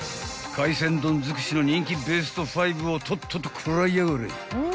［海鮮丼尽くしの人気ベスト５をとっとと食らいやがれ］